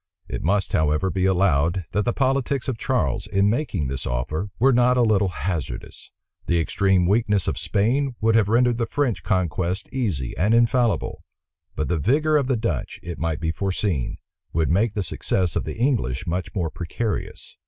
It must, however, be allowed, that the politics of Charles, in making this offer, were not a little hazardous. The extreme weakness of Spain would have rendered the French conquests easy and infallible; but the vigor of the Dutch, it might be foreseen, would make the success of the English much more precarious.